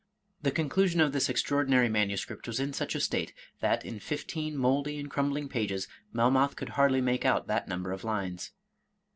The conclusion of this extraordinary manuscript was in such a state, that, in fifteen moldy and crumbling pages, Melmoth could hardly make out that number of lines.